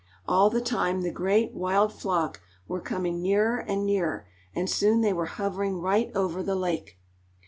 All the time the great, wild flock were coming nearer and nearer, and soon they were hovering right over the lake.